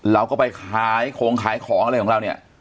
เราก็ไปขายของขายของอะไรของเรา